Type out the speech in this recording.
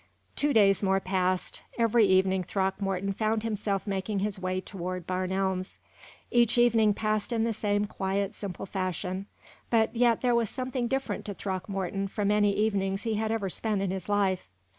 Two days more passed. Every evening Throckmorton found himself making his way toward Barn Elms. Each evening passed in the same quiet, simple fashion, but yet there was something different to Throckmorton from any evenings he had ever spent in his life.